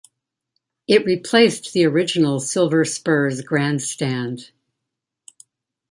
It replaced the original Silver Spurs grand stand.